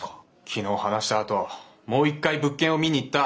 昨日話したあともう一回物件を見に行った。